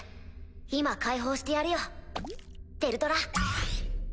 今解放してやるよヴェルドラ。